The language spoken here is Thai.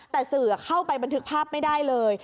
แต่สื่อเข้าไปบันทึกภาพไม่ได้เลย